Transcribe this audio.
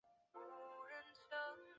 新奇士供应有品质控制。